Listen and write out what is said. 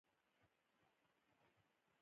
ښوونځی د پرمختګ بنسټ دی